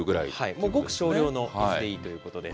もうごく少量の水でいいということです。